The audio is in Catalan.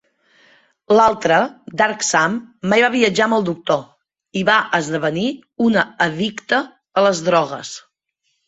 L'altra, "Dark Sam", mai va viatjar amb el Doctor i va esdevenir una addicta a les drogues.